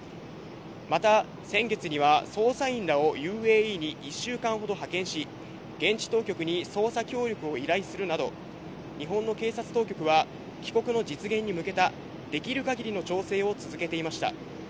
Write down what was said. また、先月には捜査員らをＵＡＥに１週間ほど派遣し、現地当局に捜査協力を依頼するなど、日本の警察当局は、帰国の実現に向けたできるかぎりの調整を続けていました。